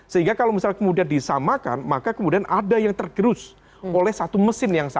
sehingga kalau misalnya kemudian disamakan maka kemudian ada yang tergerus oleh satu mesin yang sama